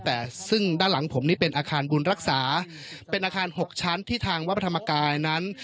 แต่ซึ่งด้านหลังผมนี่เป็นอาคารบุญรักษาเป็นอาคารหกชั้นที่ทางวัดพระธรรมกายนั้น